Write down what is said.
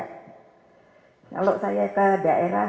kalau saya ke daerah